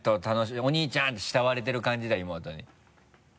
「お兄ちゃん」って慕われてる感じだ妹に。